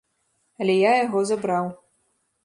Але я яго забраў.